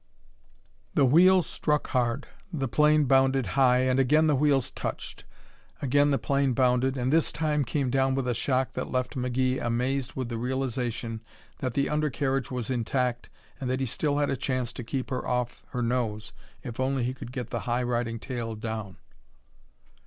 The wheels struck hard. The plane bounded, high, and again the wheels touched. Again the plane bounded, and this time came down with a shock that left McGee amazed with the realization that the undercarriage was intact and that he still had a chance to keep her off her nose if only he could get the high riding tail down.